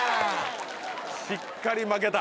しっかり負けた。